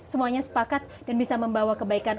semuanya sepakat dan bisa membawa kebaikan